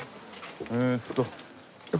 えーっと。